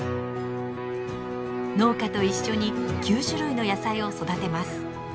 農家と一緒に９種類の野菜を育てます。